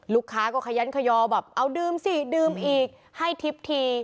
ลูกค้าก็ขยันขยอแบบเอาดื่มสิดื่มอีกให้ทิพย์ที